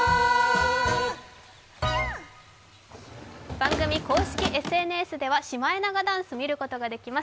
番組公式ＳＮＳではシマエナガダンス、見ることができます。